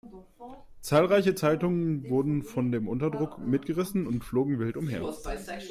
Zahlreiche Zeitungen wurden von dem Unterdruck mitgerissen und flogen wild umher.